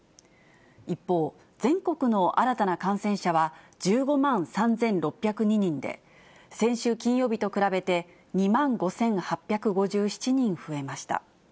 一方、全国の新たな感染者は１５万３６０２人で、先週金曜日と比べて２万５８５７人増えました。